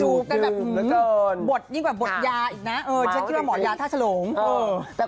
จูบกันแบบหื้มบดยิ่งแบบบดยาอีกนะเออจริงว่าหมอดยาท่าสลงเออ